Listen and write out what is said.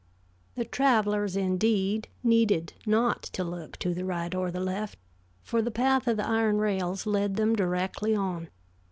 The travelers, indeed, needed not to look to the right or the left, for the path of the iron rails led them directly on.